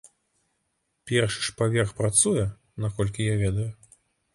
Першы ж паверх працуе, наколькі я ведаю.